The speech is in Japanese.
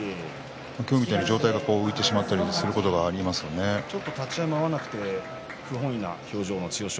今日みたいに上体が浮いてしまったりすることがちょっと立ち合いが合わなくて不本意な表情の千代翔